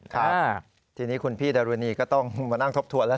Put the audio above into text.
ครับทีนี้คุณพี่ดารุณีก็ต้องมานั่งทบทวนแล้ว